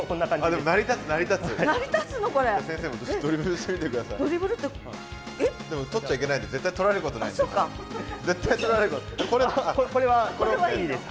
でも取っちゃいけないんで絶対取られることないです。